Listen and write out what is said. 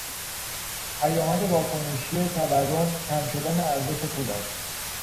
پیامد واکنشی تورم، کم شدن ارزش پول است.